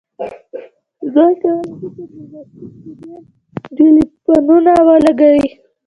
دوی کولی شي په میلمستون کې ډیر ټیلیفونونه ولګوي